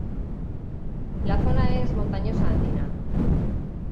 La zona es montañosa andina.